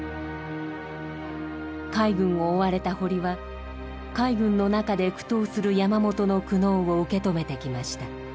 海軍を追われた堀は海軍の中で苦闘する山本の苦悩を受け止めてきました。